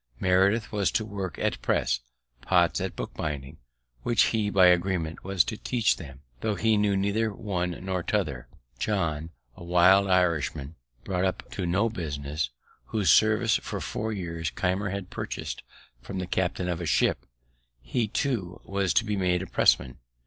Meredith was to work at press, Potts at book binding, which he, by agreement, was to teach them, though he knew neither one nor t'other. John , a wild Irishman, brought up to no business, whose service, for four years, Keimer had purchased from the captain of a ship; he, too, was to be made a pressman.